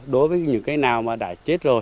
đối với những cây nào đã chết rồi